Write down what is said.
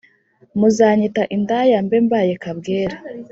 muzanyita indaya mbe mbaye kabwera